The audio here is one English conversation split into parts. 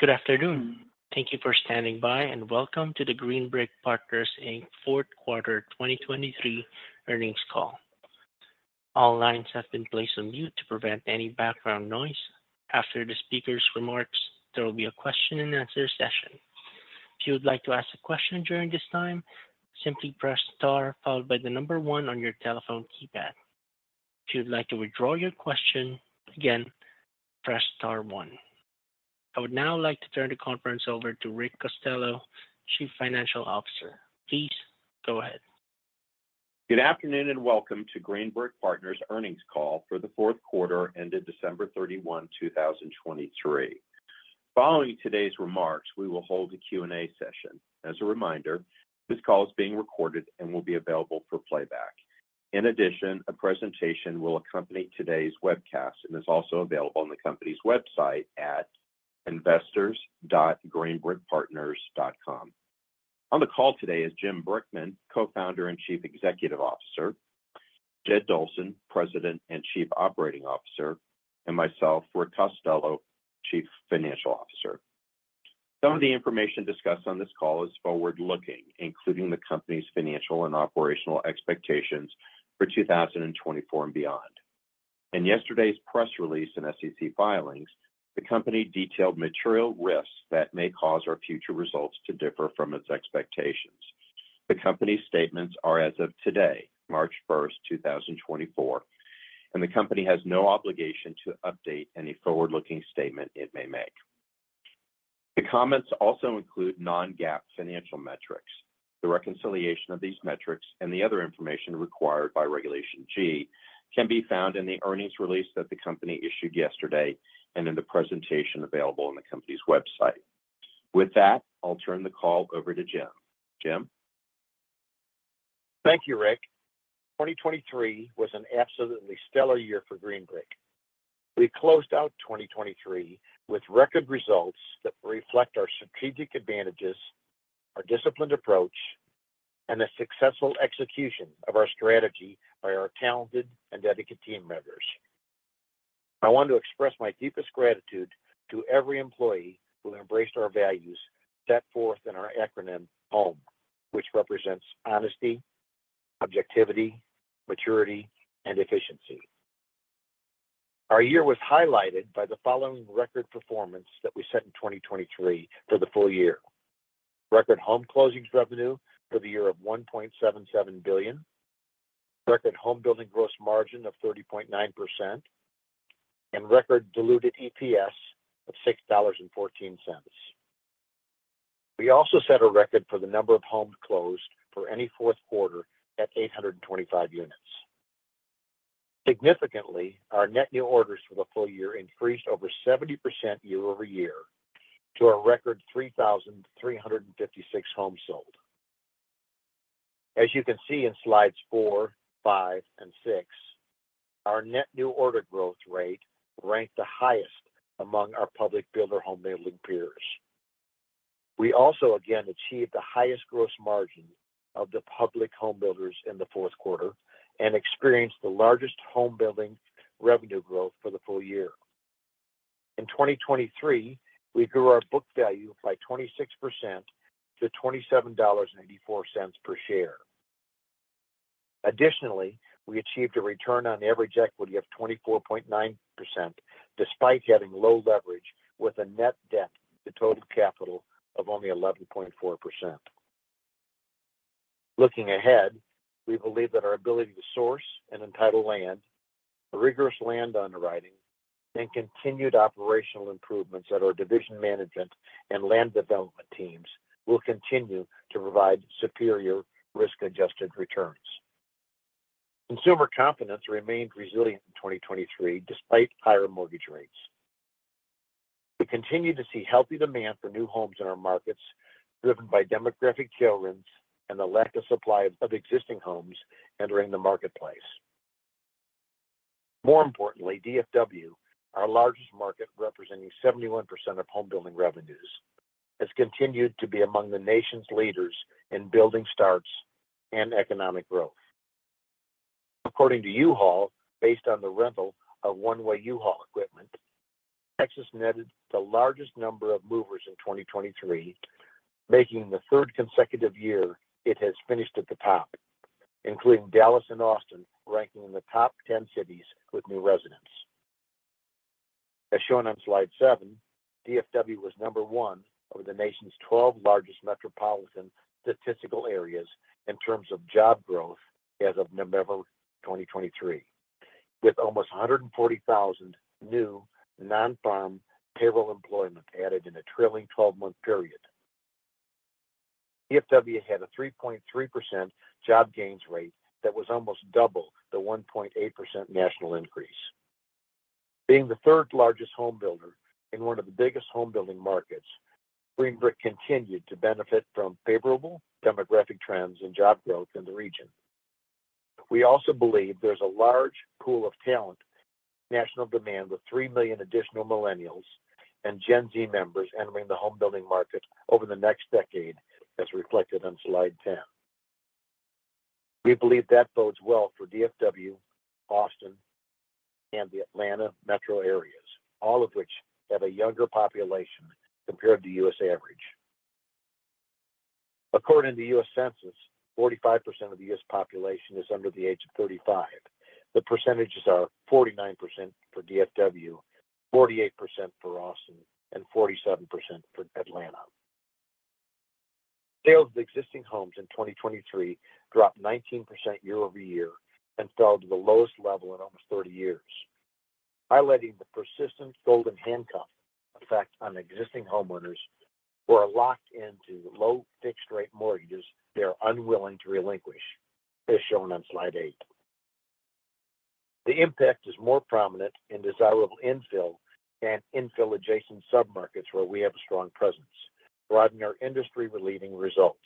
Good afternoon. Thank you for standing by, and welcome to the Green Brick Partners, Inc Fourth Quarter 2023 Earnings Call. All lines have been placed on mute to prevent any background noise. After the speaker's remarks, there will be a question-and-answer session. If you would like to ask a question during this time, simply press star, followed by the number one on your telephone keypad. If you'd like to withdraw your question, again, press star one. I would now like to turn the conference over to Rick Costello, Chief Financial Officer. Please go ahead. Good afternoon, and welcome to Green Brick Partners earnings call for the fourth quarter ended December 31, 2023. Following today's remarks, we will hold a Q&A session. As a reminder, this call is being recorded and will be available for playback. In addition, a presentation will accompany today's webcast and is also available on the company's website at investors.greenbrickpartners.com. On the call today is Jim Brickman, Co-founder and Chief Executive Officer, Jed Dolson, President and Chief Operating Officer, and myself, Rick Costello, Chief Financial Officer. Some of the information discussed on this call is forward-looking, including the company's financial and operational expectations for 2024 and beyond. In yesterday's press release and SEC filings, the company detailed material risks that may cause our future results to differ from its expectations. The company's statements are as of today, March 1st, 2024, and the company has no obligation to update any forward-looking statement it may make. The comments also include non-GAAP financial metrics. The reconciliation of these metrics and the other information required by Regulation G can be found in the earnings release that the company issued yesterday and in the presentation available on the company's website. With that, I'll turn the call over to Jim. Jim? Thank you, Rick. 2023 was an absolutely stellar year for Green Brick. We closed out 2023 with record results that reflect our strategic advantages, our disciplined approach, and the successful execution of our strategy by our talented and dedicated team members. I want to express my deepest gratitude to every employee who embraced our values, set forth in our acronym, HOME, which represents honesty, objectivity, maturity, and efficiency. Our year was highlighted by the following record performance that we set in 2023 for the full year. Record home closings revenue for the year of $1.77 billion, record home building gross margin of 30.9%, and record diluted EPS of $6.14. We also set a record for the number of homes closed for any fourth quarter at 825 units. Significantly, our net new orders for the full year increased over 70% year-over-year to a record 3,356 homes sold. As you can see in slides four, five, and six, our net new order growth rate ranked the highest among our public builder home building peers. We also, again, achieved the highest gross margin of the public home builders in the fourth quarter and experienced the largest home building revenue growth for the full year. In 2023, we grew our book value by 26% to $27.84 per share. Additionally, we achieved a return on average equity of 24.9%, despite having low leverage with a net debt to total capital of only 11.4%. Looking ahead, we believe that our ability to source and entitle land, a rigorous land underwriting, and continued operational improvements at our division management and land development teams will continue to provide superior risk-adjusted returns. Consumer confidence remained resilient in 2023, despite higher mortgage rates. We continue to see healthy demand for new homes in our markets, driven by demographic tailwinds and the lack of supply of existing homes entering the marketplace. More importantly, DFW, our largest market, representing 71% of home building revenues, has continued to be among the nation's leaders in building starts and economic growth. According to U-Haul, based on the rental of one-way U-Haul equipment, Texas netted the largest number of movers in 2023, making the third consecutive year it has finished at the top, including Dallas and Austin, ranking in the top ten cities with new residents. As shown on slide seven, DFW was number one over the nation's 12 largest metropolitan statistical areas in terms of job growth as of November 2023, with almost 140,000 new non-farm payroll employment added in a trailing twelve-month period. DFW had a 3.3% job gains rate that was almost double the 1.8% national increase. Being the third largest home builder in one of the biggest home building markets, Green Brick continued to benefit from favorable demographic trends and job growth in the region. We also believe there's a large pool of talent, national demand, with 3 million additional Millennials and Gen Z members entering the home building market over the next decade, as reflected on slide 10.... We believe that bodes well for DFW, Austin, and the Atlanta metro areas, all of which have a younger population compared to the U.S. average. According to the U.S. Census, 45% of the U.S. population is under the age of 35. The percentages are 49% for DFW, 48% for Austin, and 47% for Atlanta. Sales of existing homes in 2023 dropped 19% year-over-year and fell to the lowest level in almost 30 years, highlighting the persistent golden handcuff effect on existing homeowners who are locked into low fixed-rate mortgages they are unwilling to relinquish, as shown on slide 8. The impact is more prominent in desirable infill and infill-adjacent submarkets where we have a strong presence, driving our industry-leading results.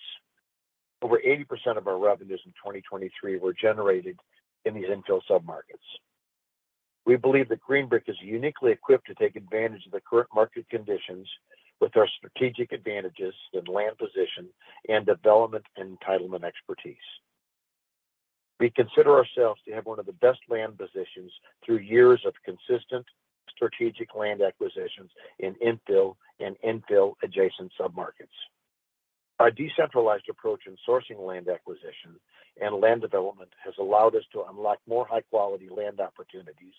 Over 80% of our revenues in 2023 were generated in these infill submarkets. We believe that Green Brick is uniquely equipped to take advantage of the current market conditions with our strategic advantages in land position and development and entitlement expertise. We consider ourselves to have one of the best land positions through years of consistent strategic land acquisitions in infill and infill-adjacent submarkets. Our decentralized approach in sourcing land acquisition and land development has allowed us to unlock more high-quality land opportunities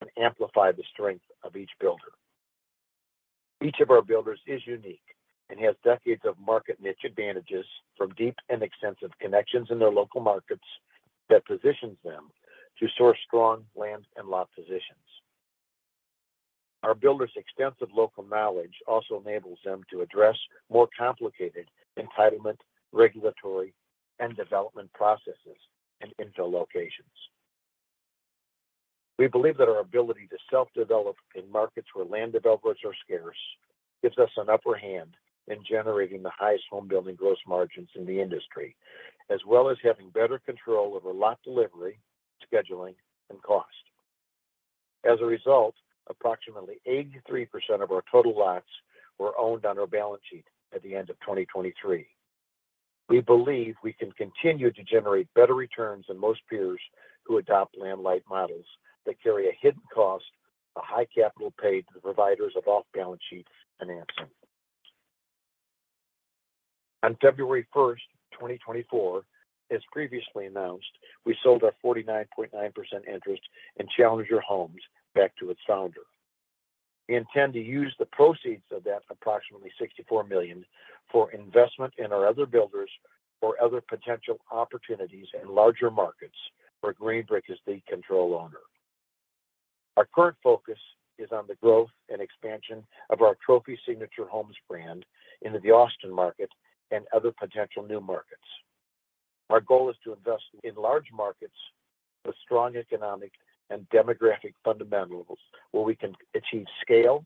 and amplify the strength of each builder. Each of our builders is unique and has decades of market niche advantages from deep and extensive connections in their local markets that positions them to source strong land and lot positions. Our builders' extensive local knowledge also enables them to address more complicated entitlement, regulatory, and development processes in infill locations. We believe that our ability to self-develop in markets where land developers are scarce gives us an upper hand in generating the highest home building gross margins in the industry, as well as having better control over lot delivery, scheduling, and cost. As a result, approximately 83% of our total lots were owned on our balance sheet at the end of 2023. We believe we can continue to generate better returns than most peers who adopt land-light models that carry a hidden cost of high capital paid to the providers of off-balance sheet financing. On February first, 2024, as previously announced, we sold our 49.9% interest in Challenger Homes back to its founder. We intend to use the proceeds of that approximately $64 million for investment in our other builders or other potential opportunities in larger markets where Green Brick is the control owner. Our current focus is on the growth and expansion of our Trophy Signature Homes brand into the Austin market and other potential new markets. Our goal is to invest in large markets with strong economic and demographic fundamentals, where we can achieve scale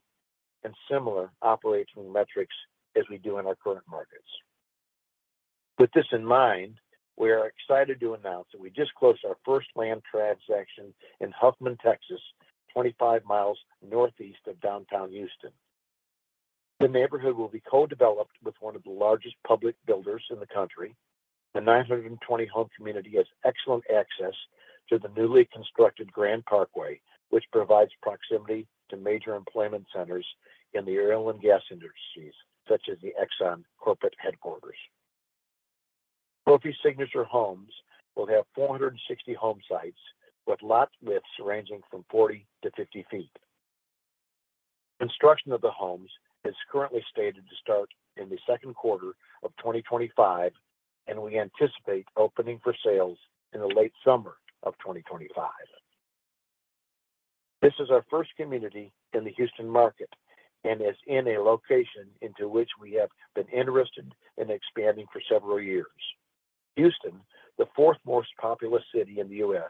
and similar operating metrics as we do in our current markets. With this in mind, we are excited to announce that we just closed our first land transaction in Huffman, Texas, 25 miles northeast of downtown Houston. The neighborhood will be co-developed with one of the largest public builders in the country. The 920 home community has excellent access to the newly constructed Grand Parkway, which provides proximity to major employment centers in the oil and gas industries, such as the Exxon corporate headquarters. Trophy Signature Homes will have 460 home sites, with lot widths ranging from 40 to 50 feet. Construction of the homes is currently slated to start in the second quarter of 2025, and we anticipate opening for sales in the late summer of 2025. This is our first community in the Houston market and is in a location into which we have been interested in expanding for several years. Houston, the 4th most populous city in the U.S.,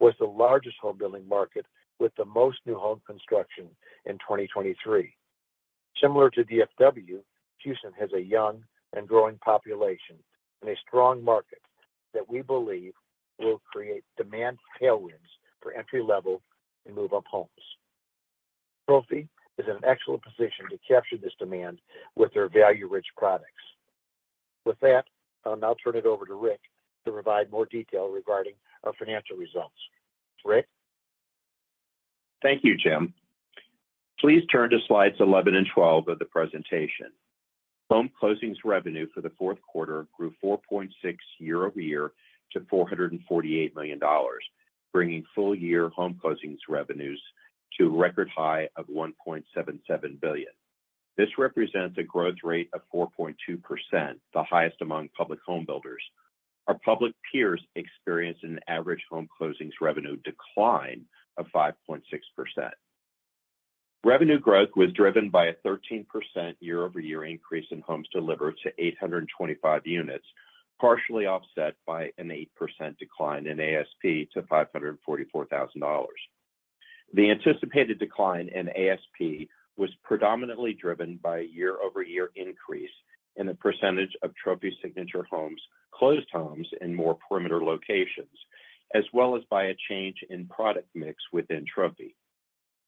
was the largest home building market with the most new home construction in 2023. Similar to DFW, Houston has a young and growing population and a strong market that we believe will create demand tailwinds for entry-level and move-up homes. Trophy is in an excellent position to capture this demand with their value-rich products. With that, I'll now turn it over to Rick to provide more detail regarding our financial results. Rick? Thank you, Jim. Please turn to slides 11 and 12 of the presentation. Home closings revenue for the fourth quarter grew 4.6% year-over-year to $448 million, bringing full-year home closings revenues to a record high of $1.77 billion. This represents a growth rate of 4.2%, the highest among public home builders. Our public peers experienced an average home closings revenue decline of 5.6%. Revenue growth was driven by a 13% year-over-year increase in homes delivered to 825 units, partially offset by an 8% decline in ASP to $544,000. The anticipated decline in ASP was predominantly driven by a year-over-year increase in the percentage of Trophy Signature Homes, closed homes in more perimeter locations, as well as by a change in product mix within Trophy....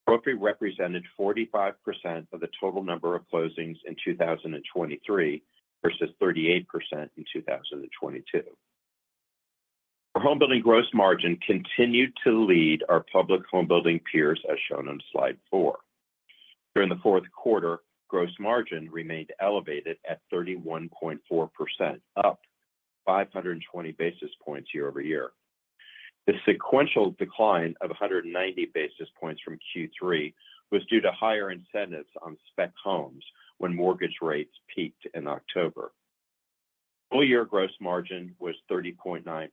Trophy represented 45% of the total number of closings in 2023, versus 38% in 2022. Our home building gross margin continued to lead our public home building peers, as shown on slide 4. During the fourth quarter, gross margin remained elevated at 31.4%, up 520 basis points year-over-year. The sequential decline of 190 basis points from Q3 was due to higher incentives on spec homes when mortgage rates peaked in October. Full year gross margin was 30.9%,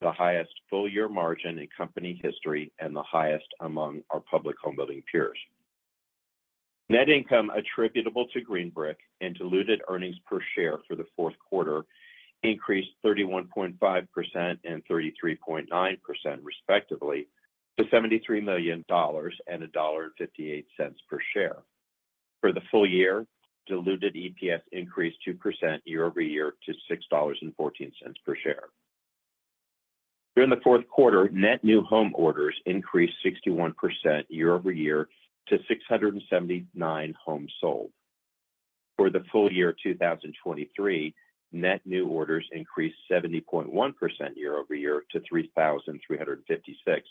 the highest full-year margin in company history, and the highest among our public home building peers. Net income attributable to Green Brick and diluted earnings per share for the fourth quarter increased 31.5% and 33.9% respectively, to $73 million and $1.58 per share. For the full year, diluted EPS increased 2% year-over-year to $6.14 per share. During the fourth quarter, net new home orders increased 61% year-over-year to 679 homes sold. For the full year 2023, net new orders increased 70.1% year-over-year to 3,356,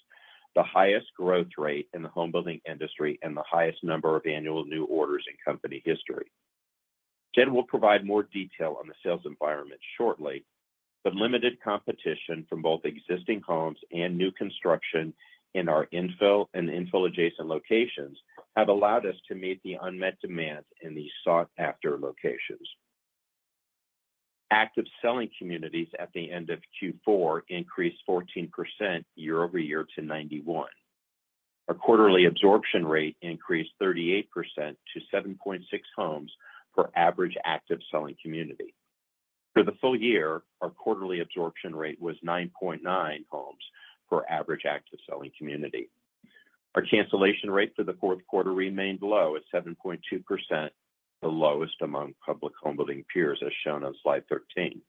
the highest growth rate in the home building industry and the highest number of annual new orders in company history. Jed will provide more detail on the sales environment shortly, but limited competition from both existing homes and new construction in our infill and infill-adjacent locations have allowed us to meet the unmet demand in these sought-after locations. Active selling communities at the end of Q4 increased 14% year-over-year to 91. Our quarterly absorption rate increased 38% to 7.6 homes per average active selling community. For the full year, our quarterly absorption rate was 9.9 homes per average active selling community. Our cancellation rate for the fourth quarter remained low at 7.2%, the lowest among public home building peers, as shown on slide 13.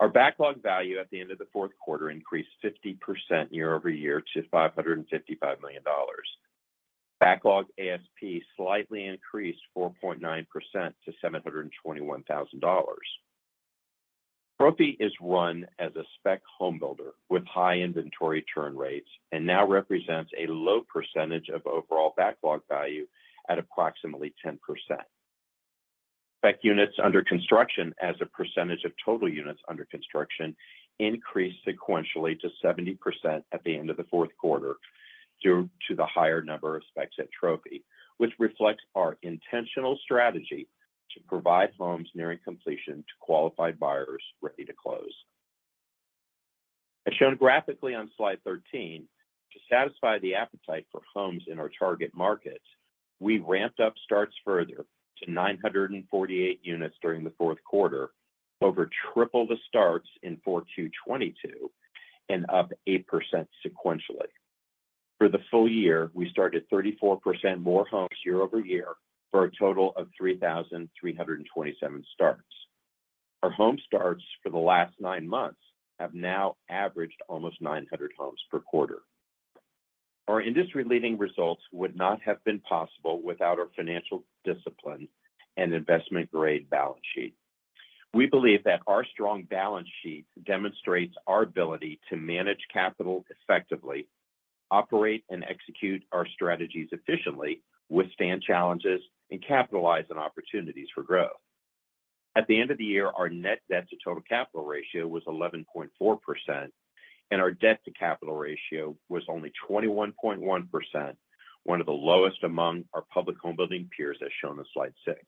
Our backlog value at the end of the fourth quarter increased 50% year-over-year to $555 million. Backlog ASP slightly increased 4.9% to $721,000. Trophy is run as a spec home builder with high inventory turn rates, and now represents a low percentage of overall backlog value at approximately 10%. Spec units under construction as a percentage of total units under construction increased sequentially to 70% at the end of the fourth quarter, due to the higher number of specs at Trophy, which reflects our intentional strategy to provide homes nearing completion to qualified buyers ready to close. As shown graphically on slide 13, to satisfy the appetite for homes in our target markets, we ramped up starts further to 948 units during the fourth quarter, over triple the starts in Q4 2022, and up 8% sequentially. For the full year, we started 34% more homes year over year for a total of 3,327 starts. Our home starts for the last nine months have now averaged almost 900 homes per quarter. Our industry-leading results would not have been possible without our financial discipline and investment-grade balance sheet. We believe that our strong balance sheet demonstrates our ability to manage capital effectively, operate and execute our strategies efficiently, withstand challenges, and capitalize on opportunities for growth. At the end of the year, our net debt to total capital ratio was 11.4%, and our debt to capital ratio was only 21.1%, one of the lowest among our public home building peers, as shown on slide six.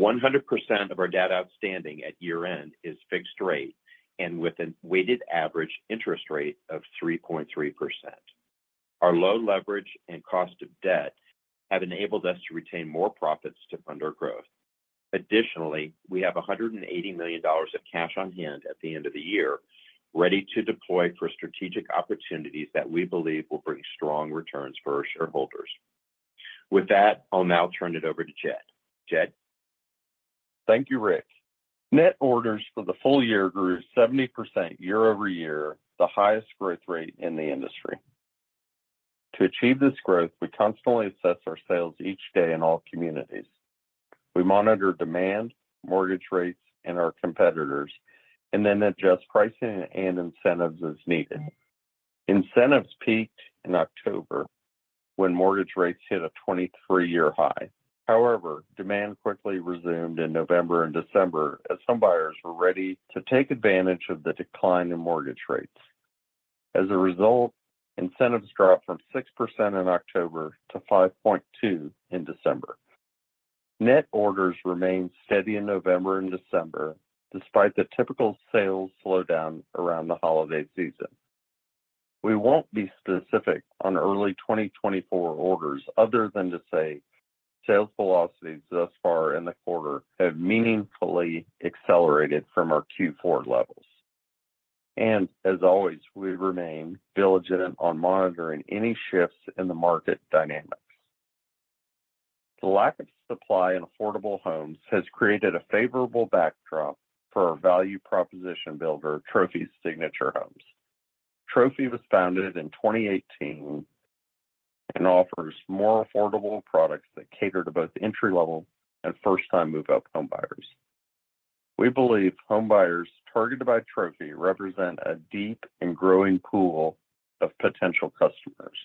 100% of our debt outstanding at year-end is fixed rate, and with a weighted average interest rate of 3.3%. Our low leverage and cost of debt have enabled us to retain more profits to fund our growth. Additionally, we have $180 million of cash on hand at the end of the year, ready to deploy for strategic opportunities that we believe will bring strong returns for our shareholders. With that, I'll now turn it over to Jed. Jed? Thank you, Rick. Net orders for the full year grew 70% year-over-year, the highest growth rate in the industry. To achieve this growth, we constantly assess our sales each day in all communities. We monitor demand, mortgage rates, and our competitors, and then adjust pricing and incentives as needed. Incentives peaked in October when mortgage rates hit a 23-year high. However, demand quickly resumed in November and December as some buyers were ready to take advantage of the decline in mortgage rates. As a result, incentives dropped from 6% in October to 5.2% in December. Net orders remained steady in November and December, despite the typical sales slowdown around the holiday season. We won't be specific on early 2024 orders other than to say sales velocities thus far in the quarter have meaningfully accelerated from our Q4 levels. As always, we remain diligent on monitoring any shifts in the market dynamics. The lack of supply in affordable homes has created a favorable backdrop for our value proposition builder, Trophy Signature Homes. Trophy was founded in 2018 and offers more affordable products that cater to both entry-level and first-time move-up homebuyers. We believe homebuyers targeted by Trophy represent a deep and growing pool of potential customers.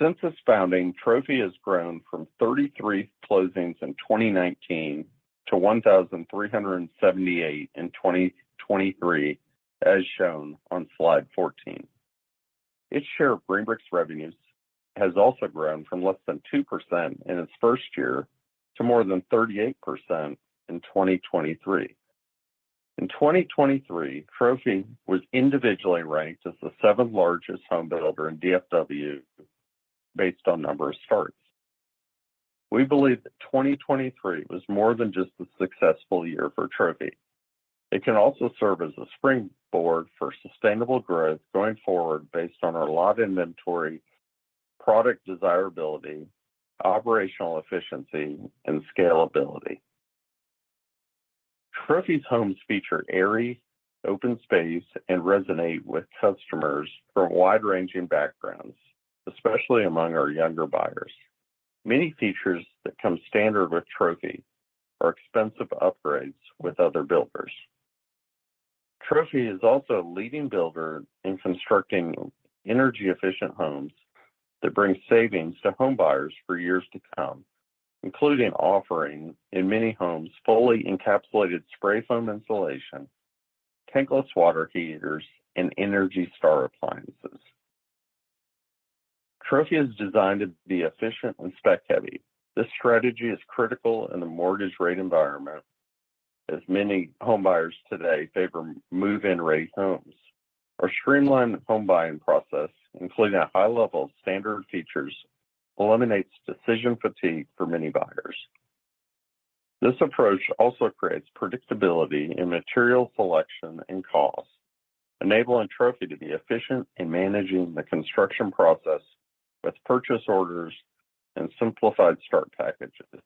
Since its founding, Trophy has grown from 33 closings in 2019 to 1,378 in 2023, as shown on slide 14. Its share of Green Brick's revenues has also grown from less than 2% in its first year to more than 38% in 2023. In 2023, Trophy was individually ranked as the seventh largest home builder in DFW based on number of starts. We believe that 2023 was more than just a successful year for Trophy. It can also serve as a springboard for sustainable growth going forward based on our lot inventory, product desirability, operational efficiency, and scalability. Trophy's homes feature airy, open space and resonate with customers from wide-ranging backgrounds, especially among our younger buyers. Many features that come standard with Trophy are expensive upgrades with other builders. Trophy is also a leading builder in constructing energy-efficient homes that bring savings to homebuyers for years to come, including offering, in many homes, fully encapsulated spray foam insulation, tankless water heaters, and Energy Star appliances. Trophy is designed to be efficient and spec-heavy. This strategy is critical in the mortgage rate environment, as many homebuyers today favor move-in ready homes. Our streamlined home buying process, including a high level of standard features, eliminates decision fatigue for many buyers. This approach also creates predictability in material selection and cost, enabling Trophy to be efficient in managing the construction process with purchase orders and simplified start packages.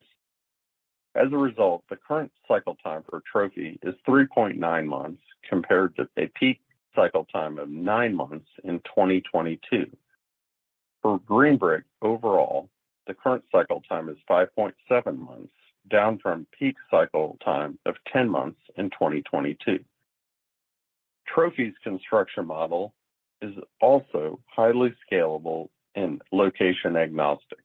As a result, the current cycle time for Trophy is 3.9 months, compared to a peak cycle time of 9 months in 2022. For Green Brick overall, the current cycle time is 5.7 months, down from peak cycle time of 10 months in 2022. Trophy's construction model is also highly scalable and location agnostic.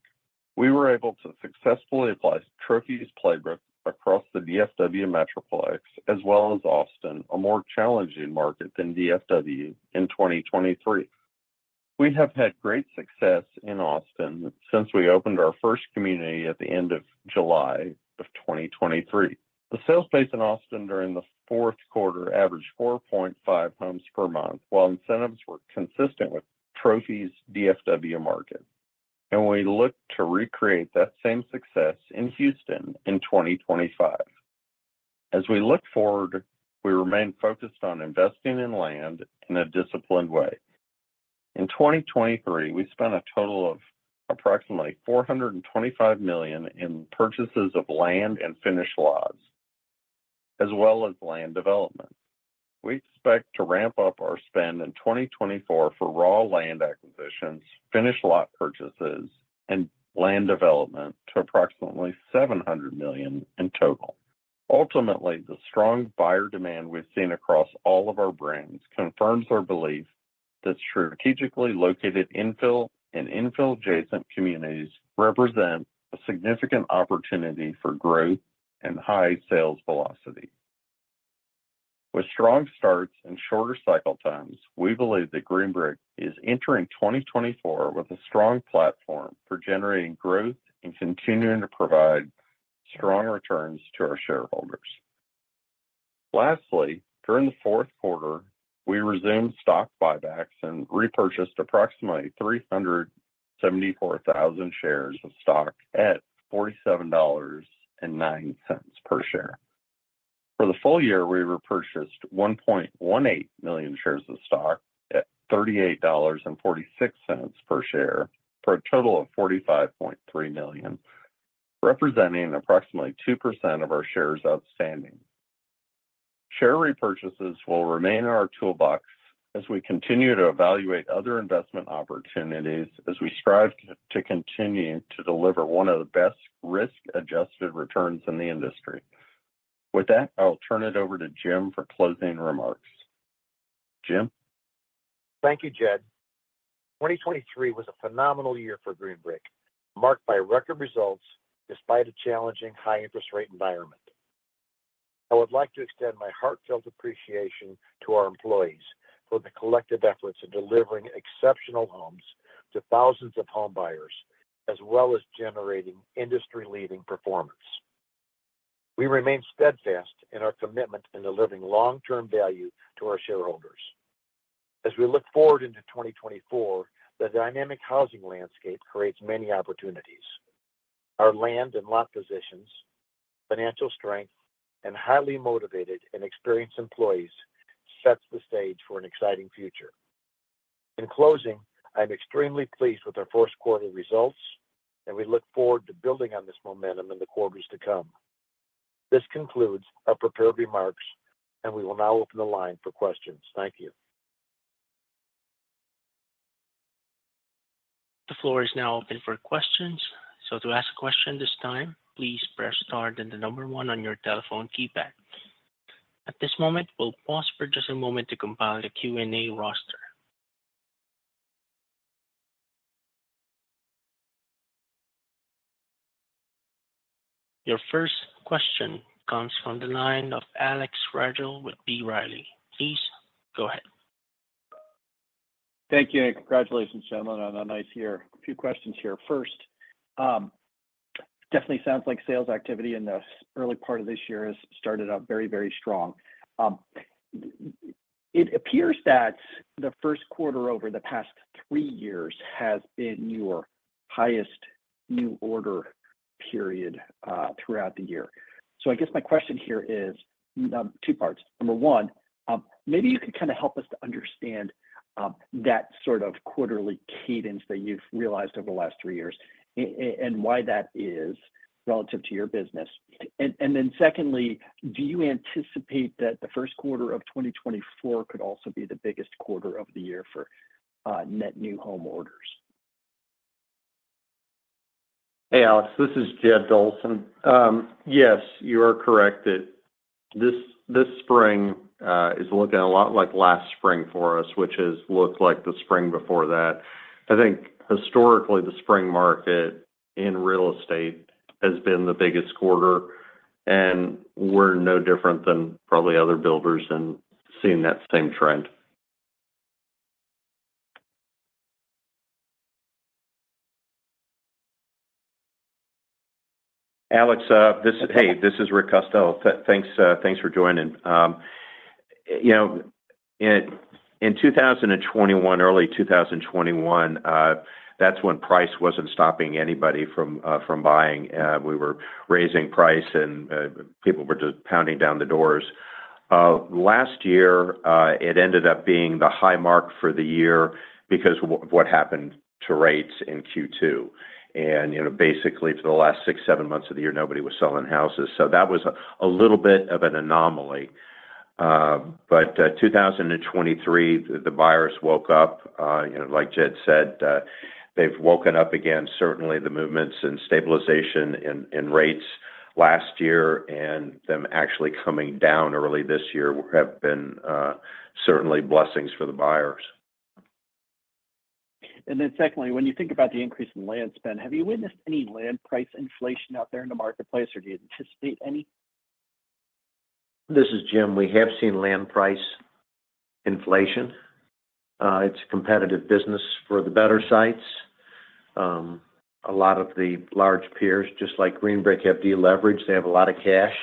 We were able to successfully apply Trophy's playbook across the DFW Metroplex, as well as Austin, a more challenging market than DFW in 2023. We have had great success in Austin since we opened our first community at the end of July of 2023. The sales pace in Austin during the fourth quarter averaged 4.5 homes per month, while incentives were consistent with Trophy's DFW market, and we look to recreate that same success in Houston in 2025. As we look forward, we remain focused on investing in land in a disciplined way. In 2023, we spent a total of approximately $425 million in purchases of land and finished lots, as well as land development. We expect to ramp up our spend in 2024 for raw land acquisitions, finished lot purchases, and land development to approximately $700 million in total. Ultimately, the strong buyer demand we've seen across all of our brands confirms our belief that strategically located infill and infill-adjacent communities represent a significant opportunity for growth and high sales velocity. With strong starts and shorter cycle times, we believe that Green Brick is entering 2024 with a strong platform for generating growth and continuing to provide strong returns to our shareholders. Lastly, during the fourth quarter, we resumed stock buybacks and repurchased approximately 374,000 shares of stock at $47.09 per share. For the full year, we repurchased 1.18 million shares of stock at $38.46 per share, for a total of $45.3 million, representing approximately 2% of our shares outstanding. Share repurchases will remain in our toolbox as we continue to evaluate other investment opportunities, as we strive to continue to deliver one of the best risk-adjusted returns in the industry. With that, I'll turn it over to Jim for closing remarks. Jim? Thank you, Jed. 2023 was a phenomenal year for Green Brick, marked by record results despite a challenging high interest rate environment. I would like to extend my heartfelt appreciation to our employees for the collective efforts in delivering exceptional homes to thousands of homebuyers, as well as generating industry-leading performance. We remain steadfast in our commitment in delivering long-term value to our shareholders. As we look forward into 2024, the dynamic housing landscape creates many opportunities. Our land and lot positions, financial strength, and highly motivated and experienced employees sets the stage for an exciting future. In closing, I'm extremely pleased with our first quarter results, and we look forward to building on this momentum in the quarters to come. This concludes our prepared remarks, and we will now open the line for questions. Thank you. The floor is now open for questions. So to ask a question this time, please press star, then the number one on your telephone keypad. At this moment, we'll pause for just a moment to compile the Q&A roster. Your first question comes from the line of Alex Rygiel with B. Riley. Please go ahead. Thank you, and congratulations, gentlemen, on a nice year. A few questions here. First, definitely sounds like sales activity in the early part of this year has started out very, very strong. It appears that the first quarter over the past three years has been your highest new order period throughout the year. So I guess my question here is two parts. Number one, maybe you could kind of help us to understand that sort of quarterly cadence that you've realized over the last three years, and why that is relative to your business. And then secondly, do you anticipate that the first quarter of 2024 could also be the biggest quarter of the year for net new home orders? Hey, Alex, this is Jed Dolson. Yes, you are correct that this, this spring, is looking a lot like last spring for us, which has looked like the spring before that. I think historically, the spring market in real estate has been the biggest quarter, and we're no different than probably other builders in seeing that same trend. Alex, this is Rick Costello. Thanks for joining. You know, in 2021, early 2021, that's when price wasn't stopping anybody from buying. We were raising price and people were just pounding down the doors. Last year, it ended up being the high mark for the year because what happened to rates in Q2. And you know, basically for the last 6, 7 months of the year, nobody was selling houses. So that was a little bit of an anomaly. But 2023, the buyers woke up. You know, like Jed said, they've woken up again. Certainly, the movements and stabilization in rates last year and them actually coming down early this year have been certainly blessings for the buyers. And then, secondly, when you think about the increase in land spend, have you witnessed any land price inflation out there in the marketplace, or do you anticipate any? This is Jim. We have seen land price inflation. It's a competitive business for the better sites. A lot of the large peers, just like Green Brick, have deleveraged. They have a lot of cash.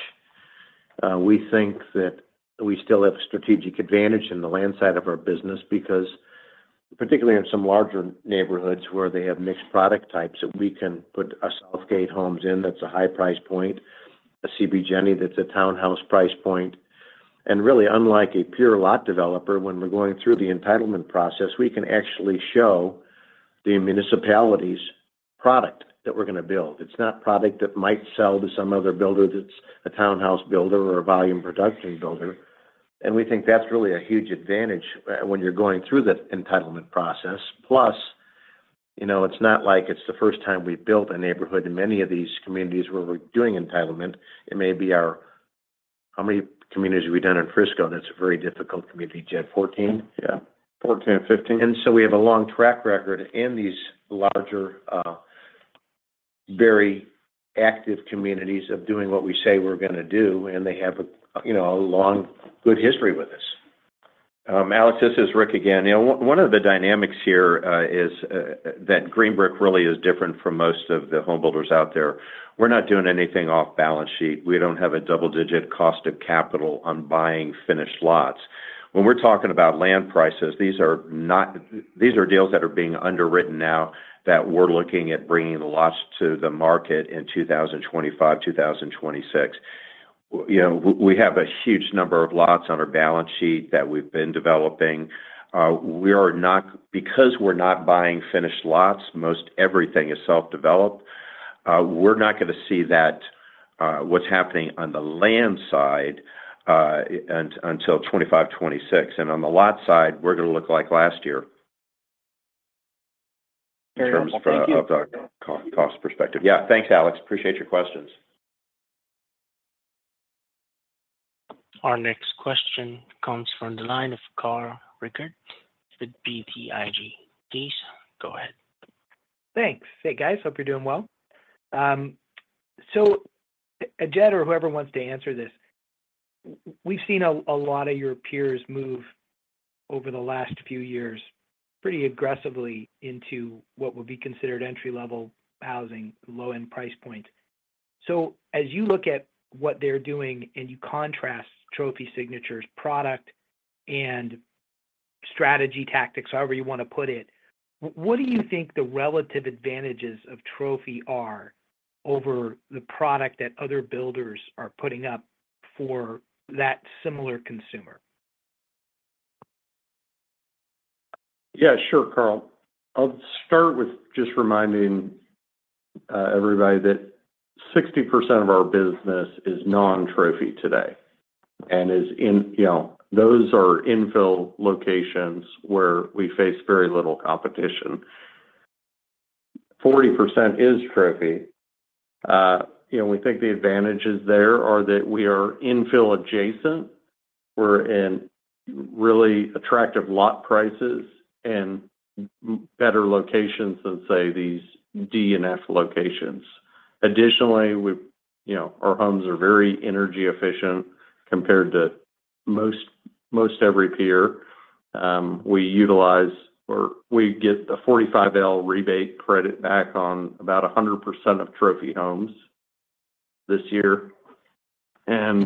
We think that we still have strategic advantage in the land side of our business, because particularly in some larger neighborhoods where they have mixed product types, that we can put a Southgate Homes in, that's a high price point, a CB JENI, that's a townhouse price point. And really, unlike a pure lot developer, when we're going through the entitlement process, we can actually show the municipalities' product that we're going to build. It's not product that might sell to some other builder that's a townhouse builder or a volume production builder, and we think that's really a huge advantage when you're going through the entitlement process. Plus, you know, it's not like it's the first time we've built a neighborhood. In many of these communities where we're doing entitlement, it may be our... How many communities have we done in Frisco? That's a very difficult community. Jed, 14? Yeah, 14 or 15. And so we have a long track record in these larger, very active communities of doing what we say we're going to do, and they have a, you know, a long, good history with us. Alex, this is Rick again. You know, one of the dynamics here is that Green Brick really is different from most of the home builders out there. We're not doing anything off balance sheet. We don't have a double-digit cost of capital on buying finished lots. When we're talking about land prices, these are not - these are deals that are being underwritten now that we're looking at bringing the lots to the market in 2025, 2026. You know, we have a huge number of lots on our balance sheet that we've been developing. Because we're not buying finished lots, most everything is self-developed. We're not going to see that, what's happening on the land side, until 2025, 2026. And on the lot side, we're going to look like last year - Very well. Thank you. In terms of, of the cost perspective. Yeah, thanks, Alex. Appreciate your questions. Our next question comes from the line of Carl Reichardt with BTIG. Please go ahead. Thanks. Hey, guys, hope you're doing well. So, Jed or whoever wants to answer this, we've seen a lot of your peers move over the last few years, pretty aggressively into what would be considered entry-level housing, low-end price point. So as you look at what they're doing and you contrast Trophy Signature's product and strategy, tactics, however you want to put it, what do you think the relative advantages of Trophy are over the product that other builders are putting up?... for that similar consumer? Yeah, sure, Carl. I'll start with just reminding everybody that 60% of our business is non-Trophy today, and is in, you know, those are infill locations where we face very little competition. 40% is Trophy. You know, we think the advantages there are that we are infill-adjacent. We're in really attractive lot prices and better locations than, say, these DFW locations. Additionally, you know, our homes are very energy efficient compared to most every peer. We utilize or we get a 45L rebate credit back on about 100% of Trophy homes this year. And,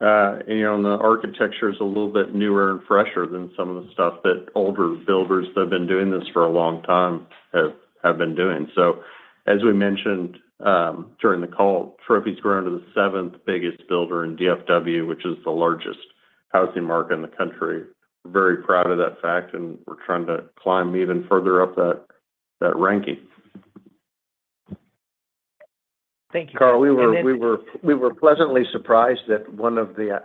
you know, and the architecture is a little bit newer and fresher than some of the stuff that older builders that have been doing this for a long time have been doing. So as we mentioned, during the call, Trophy's grown to the seventh biggest builder in DFW, which is the largest housing market in the country. Very proud of that fact, and we're trying to climb even further up that ranking. Thank you. Carl, we were pleasantly surprised that one of the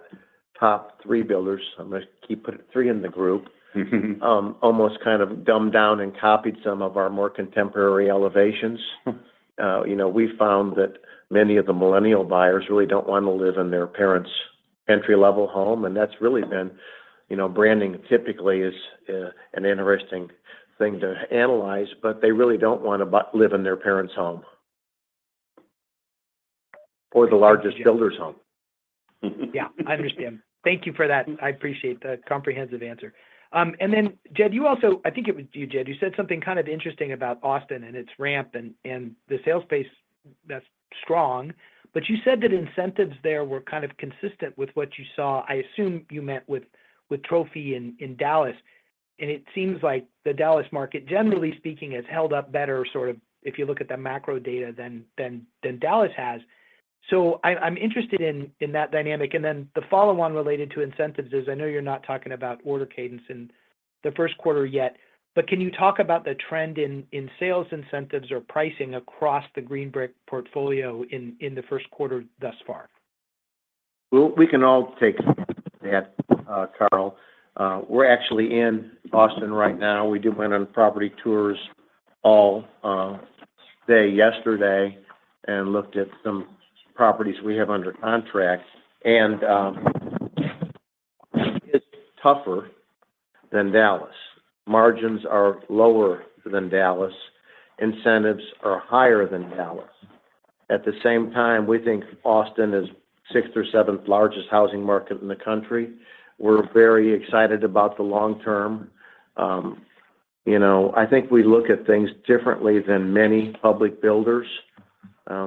top three builders, I'm going to keep putting three in the group- Mm-hmm. Almost kind of dumbed down and copied some of our more contemporary elevations. Hmm. You know, we found that many of the millennial buyers really don't want to live in their parents' entry-level home, and that's really been... You know, branding typically is an interesting thing to analyze, but they really don't want to live in their parents' home, or the largest builder's home. Yeah, I understand. Thank you for that. I appreciate the comprehensive answer. And then, Jed, you also... I think it was you, Jed, you said something kind of interesting about Austin and its ramp and, and the sales pace that's strong, but you said that incentives there were kind of consistent with what you saw. I assume you meant with, with Trophy in, in Dallas. And it seems like the Dallas market, generally speaking, has held up better, sort of, if you look at the macro data, than, than, than Dallas has. So I, I'm interested in, in that dynamic, and then the follow-on related to incentives is I know you're not talking about order cadence in the first quarter yet, but can you talk about the trend in, in sales incentives or pricing across the Green Brick portfolio in, in the first quarter thus far? Well, we can all take that, Carl. We're actually in Austin right now. We did went on property tours all day yesterday and looked at some properties we have under contract. It's tougher than Dallas. Margins are lower than Dallas. Incentives are higher than Dallas. At the same time, we think Austin is sixth or seventh largest housing market in the country. We're very excited about the long term. You know, I think we look at things differently than many public builders.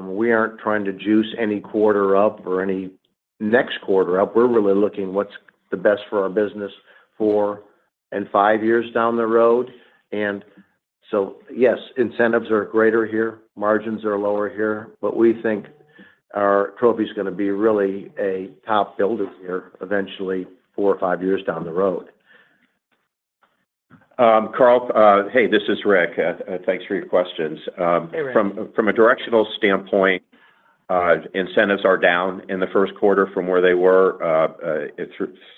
We aren't trying to juice any quarter up or any next quarter up. We're really looking what's the best for our business four and five years down the road. And so, yes, incentives are greater here, margins are lower here, but we think our Trophy is going to be really a top builder here eventually, four or five years down the road. Carl, hey, this is Rick. Thanks for your questions. Hey, Rick. From a directional standpoint, incentives are down in the first quarter from where they were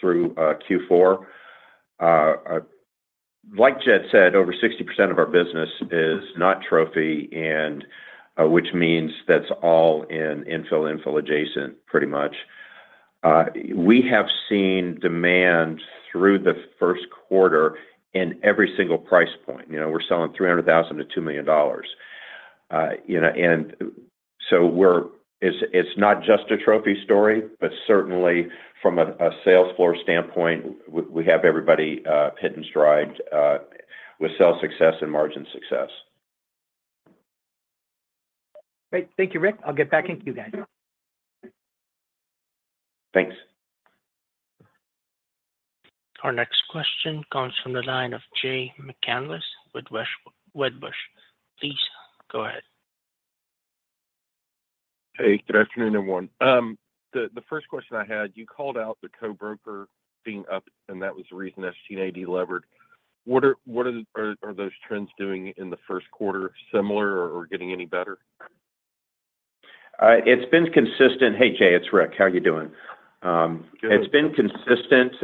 through Q4. Like Jed said, over 60% of our business is not Trophy, and which means that's all in infill, infill adjacent, pretty much. We have seen demand through the first quarter in every single price point. You know, we're selling $300,000-$2 million. You know, and so we're, it's not just a Trophy story, but certainly from a sales floor standpoint, we have everybody hitting strides with sales success and margin success. Great. Thank you, Rick. I'll get back to you guys. Thanks. Our next question comes from the line of Jay McCanless with Wedbush. Please go ahead. Hey, good afternoon, everyone. The first question I had, you called out the co-broker being up, and that was the reason SG&A delevered. What are those trends doing in the first quarter, similar or getting any better? It's been consistent. Hey, Jay, it's Rick. How are you doing? Good. It's been consistent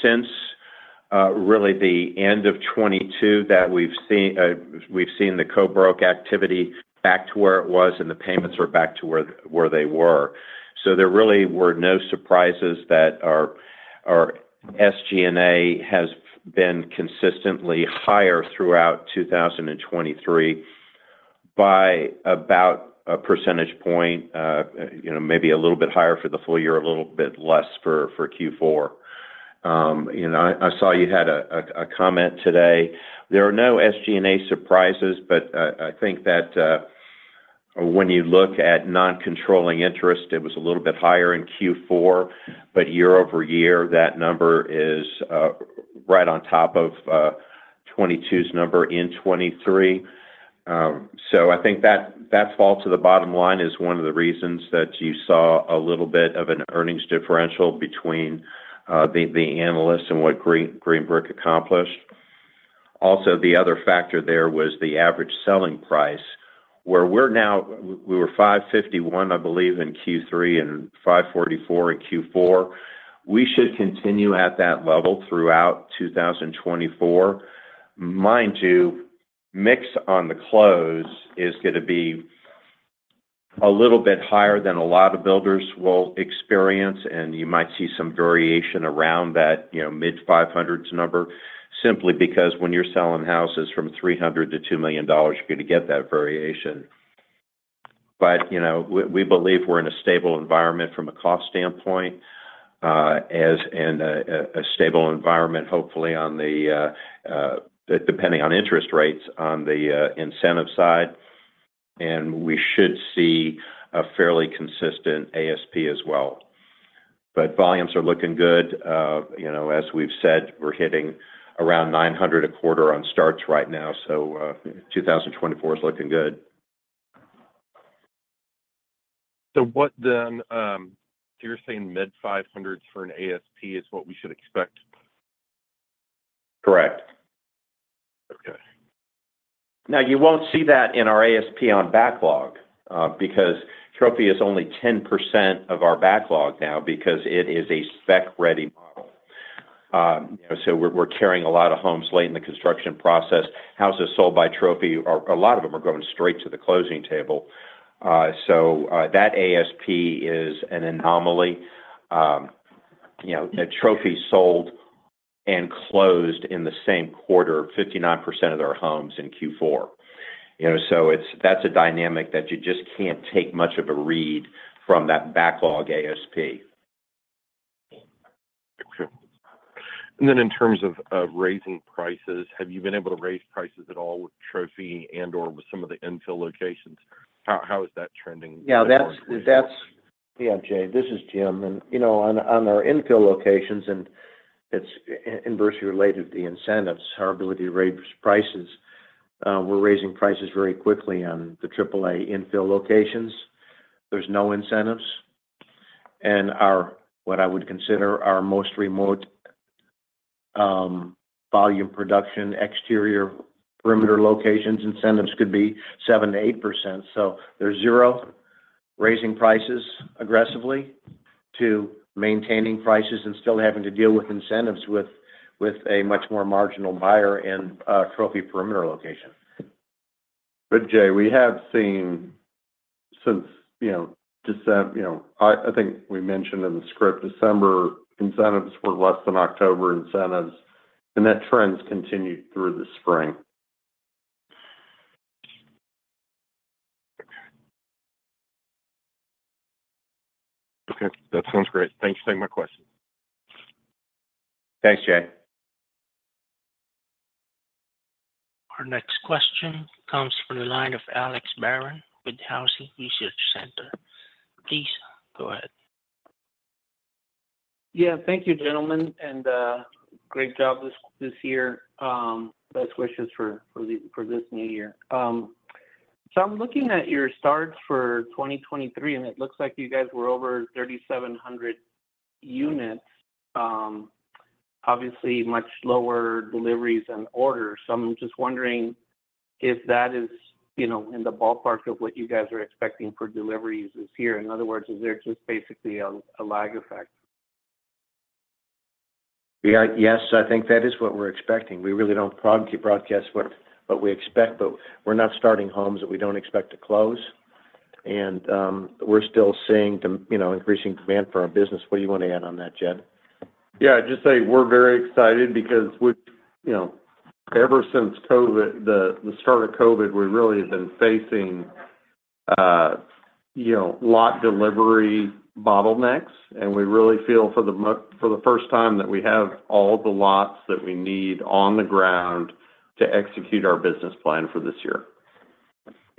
since really the end of 2022, that we've seen the co-broke activity back to where it was, and the payments were back to where they were. So there really were no surprises that our SG&A has been consistently higher throughout 2023 by about a percentage point, you know, maybe a little bit higher for the full year, a little bit less for Q4. You know, I saw you had a comment today. There are no SG&A surprises, but I think that when you look at non-controlling interest, it was a little bit higher in Q4, but year-over-year, that number is right on top of 2022's number in 2023. So I think that fall to the bottom line is one of the reasons that you saw a little bit of an earnings differential between the analysts and what Green Brick accomplished. Also, the other factor there was the average selling price, where we were $551, I believe, in Q3, and $544 in Q4. We should continue at that level throughout 2024. Mind you, mix on the close is gonna be a little bit higher than a lot of builders will experience, and you might see some variation around that, you know, mid-500s number, simply because when you're selling houses from $300 to $2 million, you're gonna get that variation. But, you know, we believe we're in a stable environment from a cost standpoint, as and a stable environment, hopefully, on the, depending on interest rates, on the incentive side, and we should see a fairly consistent ASP as well. But volumes are looking good. You know, as we've said, we're hitting around 900 a quarter on starts right now, so, 2024 is looking good. So what then, so you're saying mid-500s for an ASP is what we should expect? Correct. Okay. Now, you won't see that in our ASP on backlog, because Trophy is only 10% of our backlog now because it is a spec-ready model. So we're carrying a lot of homes late in the construction process. Houses sold by Trophy, a lot of them are going straight to the closing table. So that ASP is an anomaly. You know, that Trophy sold and closed in the same quarter, 59% of their homes in Q4. You know, so it's, that's a dynamic that you just can't take much of a read from that backlog ASP. Okay. And then in terms of raising prices, have you been able to raise prices at all with Trophy and/or with some of the infill locations? How is that trending? Yeah, Jay, this is Jim. And, you know, on, on our infill locations, and it's inversely related to the incentives, our ability to raise prices, we're raising prices very quickly on the AAA infill locations. There's no incentives. And our, what I would consider our most remote, volume production, exterior perimeter locations, incentives could be 7%-8%. So there's zero, raising prices aggressively, to maintaining prices and still having to deal with incentives with, with a much more marginal buyer in a Trophy perimeter location. But Jay, we have seen since, you know, December, you know, I think we mentioned in the script, December incentives were less than October incentives, and that trend's continued through the spring. Okay. Okay, that sounds great. Thanks for taking my question. Thanks, Jay. Our next question comes from the line of Alex Barron with the Housing Research Center. Please go ahead. Yeah, thank you, gentlemen, and great job this year. Best wishes for this new year. So I'm looking at your starts for 2023, and it looks like you guys were over 3,700 units. Obviously, much lower deliveries and orders. So I'm just wondering if that is, you know, in the ballpark of what you guys are expecting for deliveries this year. In other words, is there just basically a lag effect? Yeah. Yes, I think that is what we're expecting. We really don't broadcast what we expect, but we're not starting homes that we don't expect to close. And, we're still seeing you know, increasing demand for our business. What do you want to add on that, Jed? Yeah, just say we're very excited because we, you know, ever since COVID, the start of COVID, we really have been facing, you know, lot delivery bottlenecks, and we really feel for the first time, that we have all the lots that we need on the ground to execute our business plan for this year.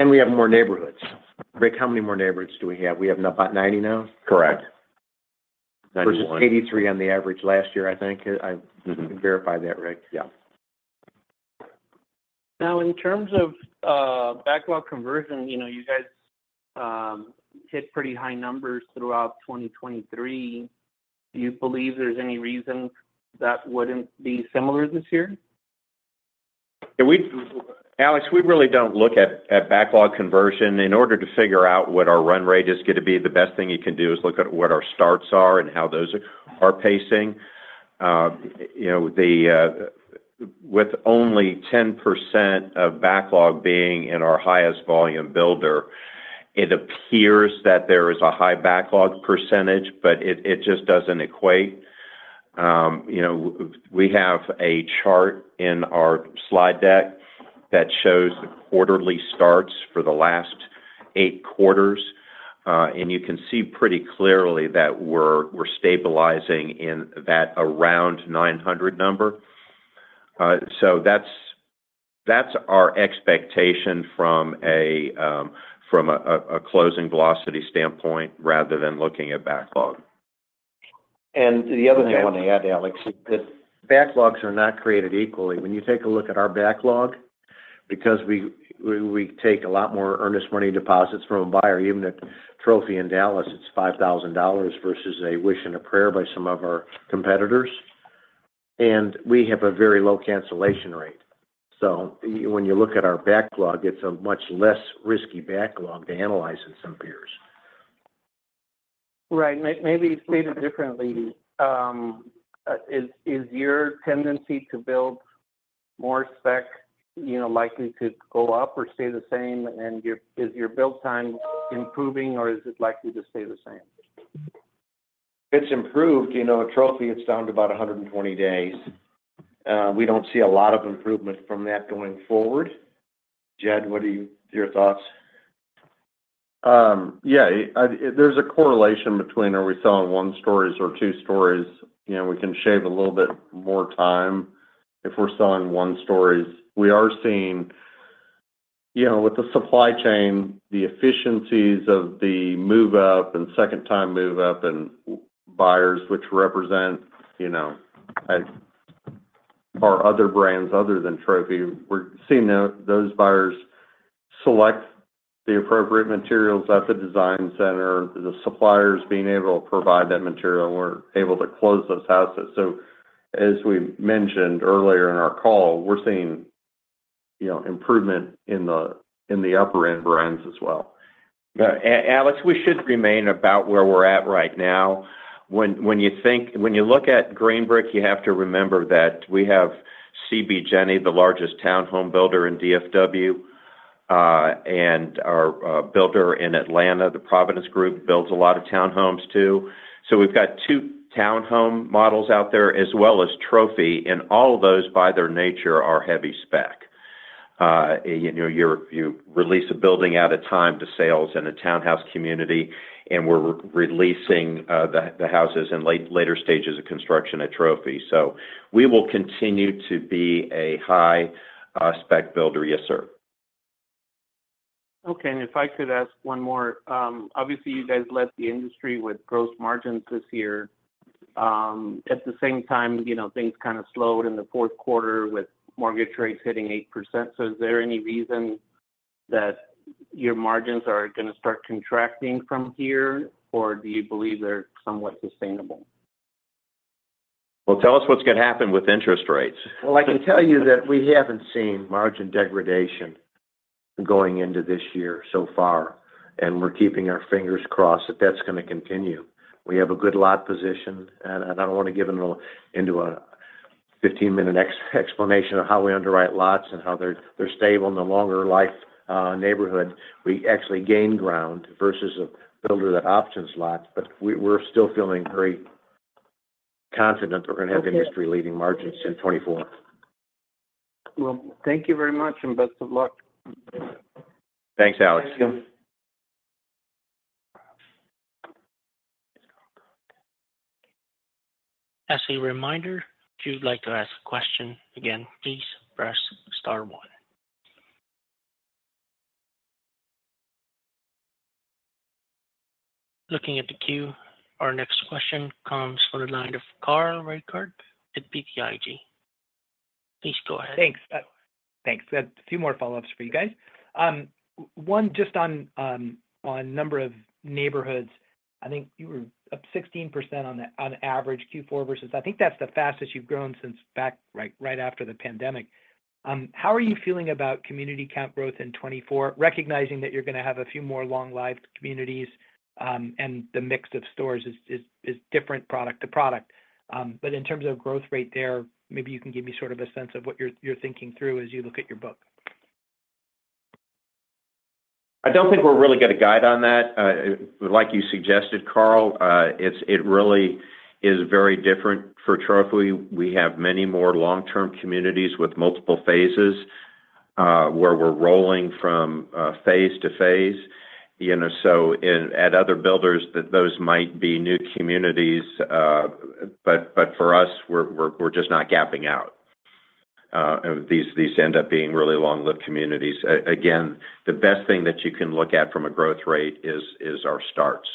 We have more neighborhoods. Rick, how many more neighborhoods do we have? We have about 90 now? Correct. Ninety-one. Versus 83 on the average last year, I think. Mm-hmm. Verify that, Rick. Yeah. Now, in terms of, backlog conversion, you know, you guys, hit pretty high numbers throughout 2023. Do you believe there's any reason that wouldn't be similar this year? Yeah, Alex, we really don't look at, at backlog conversion. In order to figure out what our run rate is gonna be, the best thing you can do is look at what our starts are and how those are pacing. You know, with only 10% of backlog being in our highest volume builder, it appears that there is a high backlog percentage, but it, it just doesn't equate. You know, we have a chart in our slide deck that shows the quarterly starts for the last eight quarters, and you can see pretty clearly that we're stabilizing in that around 900 number. So that's our expectation from a closing velocity standpoint, rather than looking at backlog. And the other thing I want to add, Alex, is that backlogs are not created equally. When you take a look at our backlog, because we take a lot more earnest money deposits from a buyer, even at Trophy in Dallas, it's $5,000 versus a wish and a prayer by some of our competitors, and we have a very low cancellation rate. So when you look at our backlog, it's a much less risky backlog to analyze than some peers. Right. Maybe stated differently, is your tendency to build more spec, you know, likely to go up or stay the same? And is your build time improving, or is it likely to stay the same? It's improved. You know, at Trophy, it's down to about 120 days. We don't see a lot of improvement from that going forward. Jed, what are your thoughts? Yeah, there's a correlation between are we selling one stories or two stories. You know, we can shave a little bit more time if we're selling one stories. We are seeing, you know, with the supply chain, the efficiencies of the move-up and second-time move-up buyers, which represent, you know, our other brands other than Trophy. We're seeing those buyers select the appropriate materials at the design center, the suppliers being able to provide that material, and we're able to close those houses. So as we mentioned earlier in our call, we're seeing, you know, improvement in the upper-end brands as well. Alex, we should remain about where we're at right now. When you look at Green Brick, you have to remember that we have CB Jeni, the largest town home builder in DFW, and our builder in Atlanta, the Providence Group, builds a lot of town homes, too. So we've got two town home models out there, as well as Trophy, and all of those, by their nature, are heavy spec. You know, you release a building at a time to sales in a townhouse community, and we're releasing the houses in later stages of construction at Trophy. So we will continue to be a high spec builder. Yes, sir. Okay, and if I could ask one more. Obviously, you guys led the industry with gross margins this year. At the same time, you know, things kind of slowed in the fourth quarter with mortgage rates hitting 8%. So is there any reason that your margins are going to start contracting from here, or do you believe they're somewhat sustainable? Well, tell us what's going to happen with interest rates. Well, I can tell you that we haven't seen margin degradation going into this year so far, and we're keeping our fingers crossed that that's going to continue. We have a good lot position, and I don't want to give into a 15-minute explanation of how we underwrite lots and how they're stable in the longer life neighborhood. We actually gain ground versus a builder that options lots, but we're still feeling very confident we're going to have industry-leading margins in 2024. Well, thank you very much, and best of luck. Thanks, Alex. Thank you. As a reminder, if you'd like to ask a question, again, please press star one. Looking at the queue, our next question comes from the line of Carl Reichardt at BTIG. Please go ahead. Thanks. Thanks. A few more follow-ups for you guys. One, just on number of neighborhoods. I think you were up 16% on average Q4 versus... I think that's the fastest you've grown since back right after the pandemic. How are you feeling about community count growth in 2024, recognizing that you're going to have a few more long-lived communities, and the mix of starts is different product to product. But in terms of growth rate there, maybe you can give me sort of a sense of what you're thinking through as you look at your book. I don't think we're really going to guide on that. Like you suggested, Carl, it really is very different for Trophy. We have many more long-term communities with multiple phases, where we're rolling from phase to phase. You know, so at other builders, those might be new communities, but for us, we're just not gapping out. These end up being really long-lived communities. Again, the best thing that you can look at from a growth rate is our starts.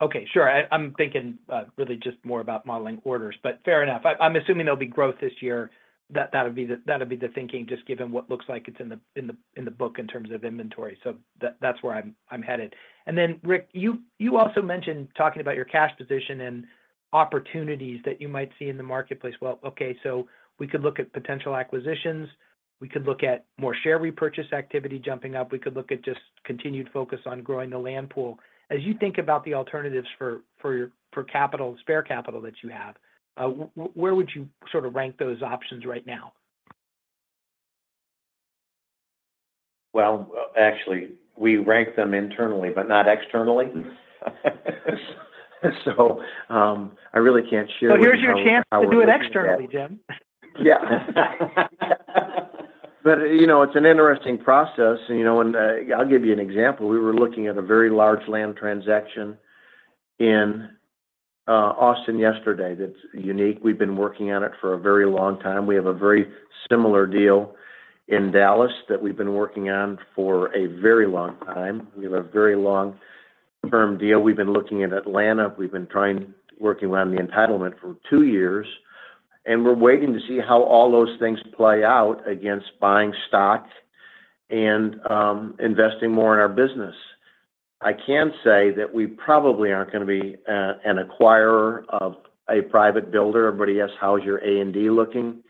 Okay, sure. I'm thinking really just more about modeling orders, but fair enough. I'm assuming there'll be growth this year. That'll be the thinking, just given what looks like it's in the book in terms of inventory. That's where I'm headed. And then, Rick, you also mentioned talking about your cash position and opportunities that you might see in the marketplace. Well, okay, so we could look at potential acquisitions, we could look at more share repurchase activity jumping up. We could look at just continued focus on growing the land pool. As you think about the alternatives for your capital, spare capital that you have, where would you sort of rank those options right now? Well, actually, we rank them internally, but not externally. So, I really can't share with you- Here's your chance to do it externally, Jim. Yeah. But, you know, it's an interesting process, and, you know, and, I'll give you an example. We were looking at a very large land transaction in Austin yesterday that's unique. We've been working on it for a very long time. We have a very similar deal in Dallas that we've been working on for a very long time. We have a very long-term deal. We've been looking at Atlanta. We've been trying, working around the entitlement for two years, and we're waiting to see how all those things play out against buying stock and investing more in our business. I can say that we probably aren't gonna be an acquirer of a private builder. Everybody asks: How is your A&D looking?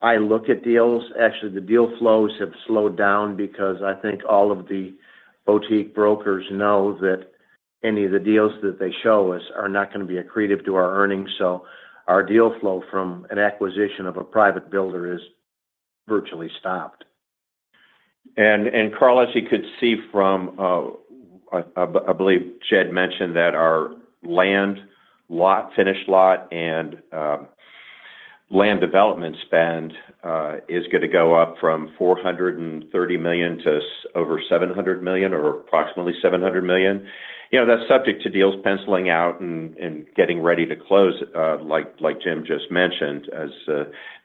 I look at deals. Actually, the deal flows have slowed down because I think all of the boutique brokers know that any of the deals that they show us are not gonna be accretive to our earnings, so our deal flow from an acquisition of a private builder is virtually stopped. And Carl, as you could see from, I believe Jed mentioned that our land, lot, finished lot, and land development spend is gonna go up from $430 million to over $700 million, or approximately $700 million. You know, that's subject to deals penciling out and getting ready to close, like Jim just mentioned, as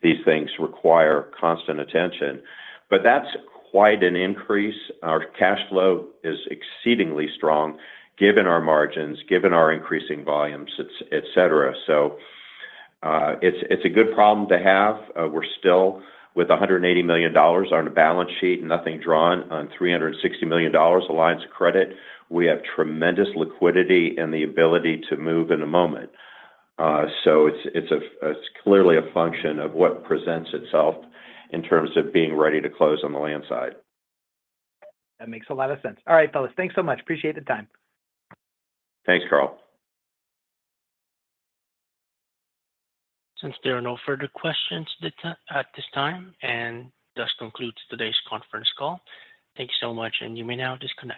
these things require constant attention. But that's quite an increase. Our cash flow is exceedingly strong, given our margins, given our increasing volumes, etc. So, it's a good problem to have. We're still with $180 million on the balance sheet, nothing drawn on $360 million of lines of credit. We have tremendous liquidity and the ability to move in a moment. So it's clearly a function of what presents itself in terms of being ready to close on the land side. That makes a lot of sense. All right, fellas, thanks so much. Appreciate the time. Thanks, Carl. Since there are no further questions at this time, and this concludes today's conference call. Thank you so much, and you may now disconnect.